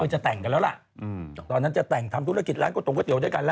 จะแต่งกันแล้วล่ะตอนนั้นจะแต่งทำธุรกิจร้านก๋ตรงก๋วด้วยกันแล้ว